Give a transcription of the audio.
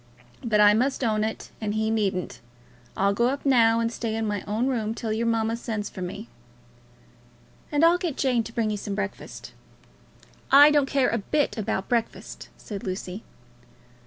But I must own it, and he needn't. I'll go up now and stay in my own room till your mamma sends for me." "And I'll get Jane to bring you some breakfast." "I don't care a bit about breakfast," said Lucy.